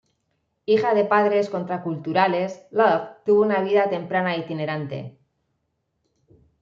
Hija de padres contraculturales, Love tuvo una vida temprana itinerante.